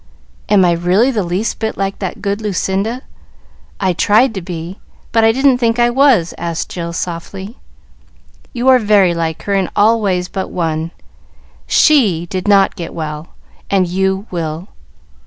"Am I really the least bit like that good Lucinda? I tried to be, but I didn't think I was," asked Jill softly. "You are very like her in all ways but one. She did not get well, and you will."